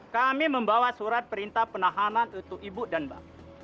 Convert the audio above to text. kami membawa surat perintah penahanan untuk ibu danba